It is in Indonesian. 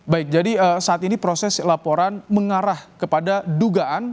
baik jadi saat ini proses laporan mengarah kepada dugaan